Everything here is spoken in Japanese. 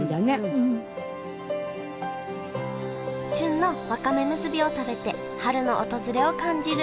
旬のわかめむすびを食べて春の訪れを感じる。